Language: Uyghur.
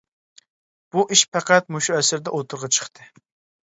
بۇ ئىش پەقەت مۇشۇ ئەسىردە ئوتتۇرىغا چىقتى.